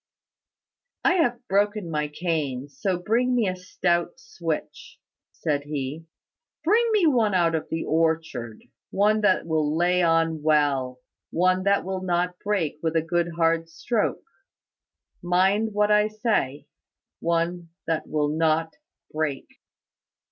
"I have broken my cane; so bring me a stout switch," said he. "Bring me one out of the orchard; one that will lay on well one that will not break with a good hard stroke; mind what I say one that will not break."